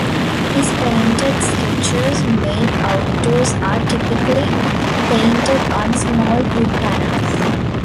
His painted sketches made outdoors are typically painted on small wood panels.